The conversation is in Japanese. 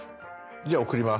じゃあ送ります。